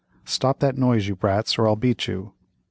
Stop that noise you brats or I'll beat you."